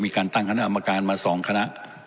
มีการตั้งคณะอัมรการมาสองคณะ